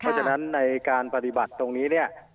เพราะฉะนั้นในการปฏิบัติตรงนี้เนี่ย